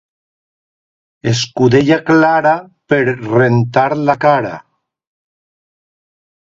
Escudella clara, per rentar la cara.